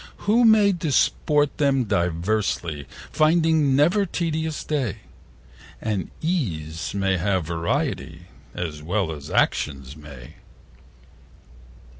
Who may disport them diversely Find never tedious day, And ease may have variety As well as action may.